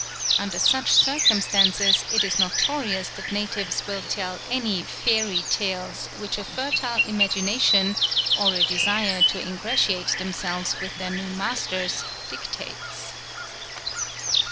Under such circumstances it is notorious that natives will tell any "fairy tales" which a fertile imagination, or a desire to ingratiate themselves with their new masters, dictates.